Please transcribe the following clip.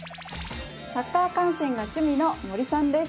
サッカー観戦が趣味の森さんです。